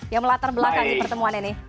yang melatar belakang di pertemuan ini